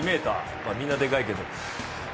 みんなでかいけど。